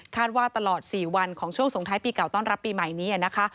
ว่าตลอด๔วันของช่วงสงท้ายปีเก่าต้อนรับปีใหม่นี้นะคะ